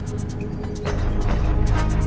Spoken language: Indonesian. semua seragam mereka